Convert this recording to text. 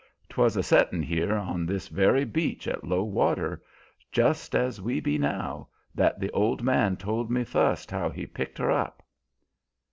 'Twas a settin' here on this very beach at low water, just's we be now, that the old man told me fust how he picked her up.